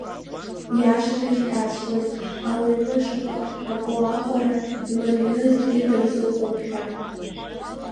Ииашан ирҳәаҵәҟоит ауаҩы шаҟа дҳараку аҟара имарианы зегьы дырзыҟоуп ҳәа.